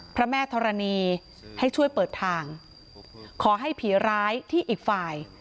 พระแม่ธรณีให้ช่วยเปิดทางขอให้ผีร้ายที่อีกฝ่าย